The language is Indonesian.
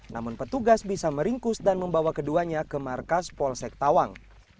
namun petugas bisa meringkus dan membawa keduanya ke markas polsek tawang